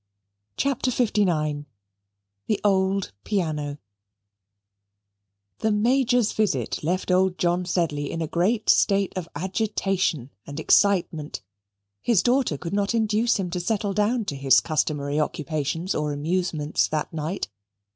CHAPTER LIX The Old Piano The Major's visit left old John Sedley in a great state of agitation and excitement. His daughter could not induce him to settle down to his customary occupations or amusements that night.